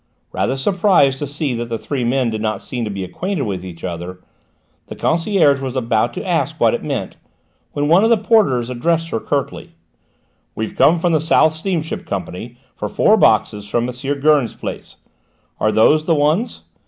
Rather surprised to see that the three men did not seem to be acquainted with each other, the concierge was about to ask what it meant, when one of the porters addressed her curtly: "We've come from the South Steamship Company for four boxes from M. Gurn's place. Are those the ones?"